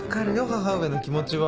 母上の気持ちは。